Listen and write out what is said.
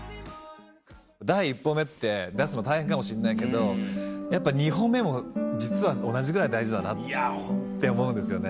第１歩目って出すの大変かもしんないけどやっぱ２歩目も実は同じぐらい大事だなって思うんですよね。